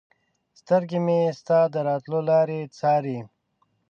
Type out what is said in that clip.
سترګې مې ستا د راتلو لارې څاري